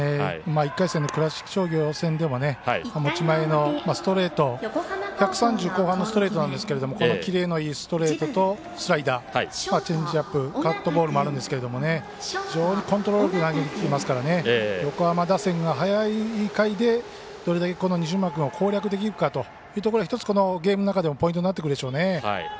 １回戦の倉敷商業戦では持ち前のストレート１３０後半のストレートなんですけどキレのいいストレートとスライダーチェンジアップカットボールもあるんですけど非常にコントロールよく投げていますからね横浜打線が早い回でどれだけ西村君を攻略できるかというところで一つゲームの中でもポイントになってくるでしょうね。